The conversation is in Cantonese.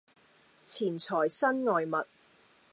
錢財身外物